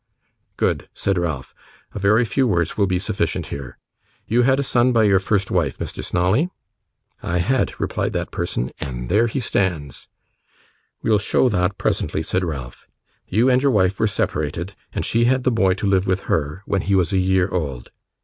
'Good,' said Ralph; 'a very few words will be sufficient here. You had a son by your first wife, Mr. Snawley?' 'I had,' replied that person, 'and there he stands.' 'We'll show that presently,' said Ralph. 'You and your wife were separated, and she had the boy to live with her, when he was a year old.